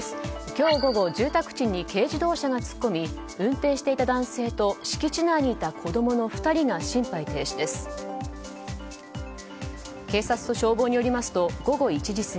今日午後、住宅地に軽自動車が突っ込み運転していた男性と敷地内にいた子供の２人が心肺停止です。